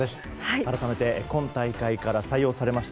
改めて、今大会から採用されました